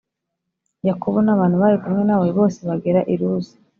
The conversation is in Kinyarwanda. Yakobo n abantu bari kumwe na we bose bagera i Luzi